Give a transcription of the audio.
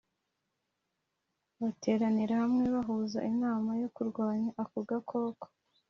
bateranira hamwe bahuza inama yo kurwanya ako gakoko